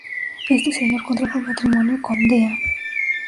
Este señor contrajo matrimonio con Dª.